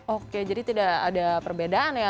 oke jadi tidak ada perbedaan ya